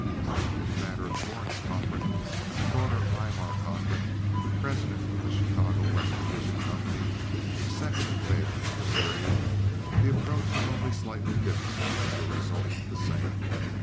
In the matter of Florence Cochrane, the daughter of Aymar Cochrane, the president of the Chicago West Division Company—a second affair of the period—the approach was only slightly different, the result the same.